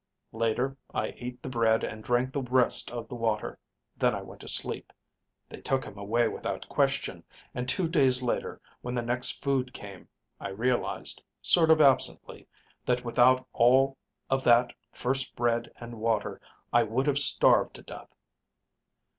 Later I ate the bread and drank the rest of the water. Then I went to sleep. They took him away without question. And two days later, when the next food came, I realized, sort of absently, that without all of that first bread and water I would have starved to death.